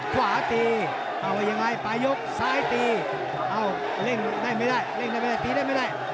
ขวาตีเอาว่ายังไงปลายกซ้ายตีเอ้าเร่งได้ไม่ได้เร่งได้ไม่ได้ตีได้ไม่ได้